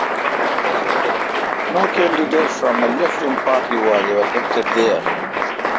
No candidate from a left-wing party was ever elected there.